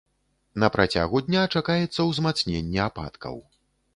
На працягу дня чакаецца ўзмацненне ападкаў.